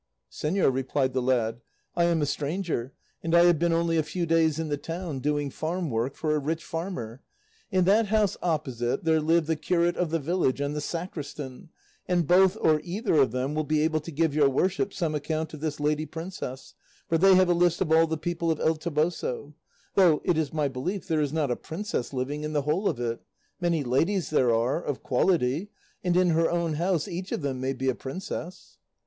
"Señor," replied the lad, "I am a stranger, and I have been only a few days in the town, doing farm work for a rich farmer. In that house opposite there live the curate of the village and the sacristan, and both or either of them will be able to give your worship some account of this lady princess, for they have a list of all the people of El Toboso; though it is my belief there is not a princess living in the whole of it; many ladies there are, of quality, and in her own house each of them may be a princess."